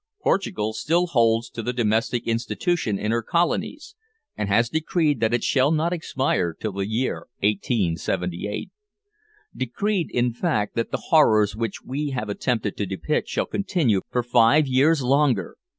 Portugal still holds to the "domestic institution" in her colonies, and has decreed that it shall not expire till the year 1878. Decreed, in fact, that the horrors which we have attempted to depict shall continue for five years longer!